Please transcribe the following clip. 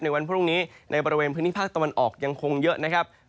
วันพรุ่งนี้ในบริเวณพื้นที่ภาคตะวันออกยังคงเยอะนะครับ